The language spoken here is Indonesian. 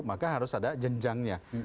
maka harus ada jenjangnya